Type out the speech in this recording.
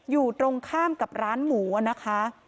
อยู่ตรงข้ามกับร้านหมูนะคะ